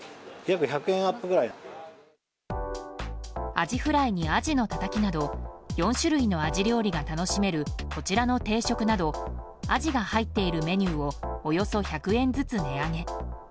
アジフライにアジのたたきなど４種類のアジ料理が楽しめるこちらの定食などアジが入っているメニューをおよそ１００円ずつ値上げ。